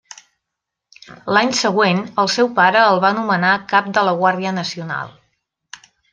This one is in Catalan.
L'any següent, el seu pare el va nomenar cap de la Guàrdia Nacional.